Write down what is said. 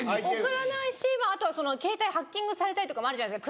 送らないしあとはケータイハッキングされたりとかもあるじゃないですか。